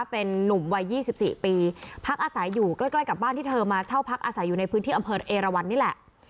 เป็นนุ่มวัย๒๔ปีพักอาศัยอยู่ใกล้กับบ้านที่เธอมาเช่าพักอาศัยอยู่ในพื้นที่อำเภอเอราวันนี่แหละ